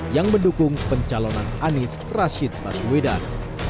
yang mendukung pencalonan anies rashid baswedan